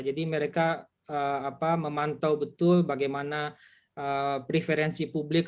jadi mereka memantau betul bagaimana preferensi publik